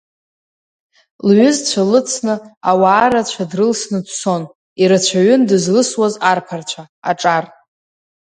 Лҩызцәа лыцны, ауаа рацәа дрылсны дцон, ирацәаҩын дызлысуаз арԥарцәа, аҿар.